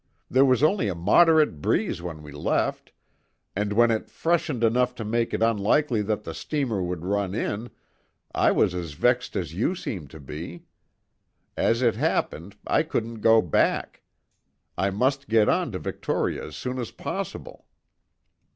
There was only a moderate breeze when we left, and when it freshened enough to make it unlikely that the steamer would run in, I was as vexed as you seem to be. As it happened, I couldn't go back. I must get on to Victoria as soon as possible."